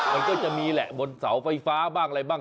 มันก็จะมีแหละบนเสาไฟฟ้าบ้างอะไรบ้าง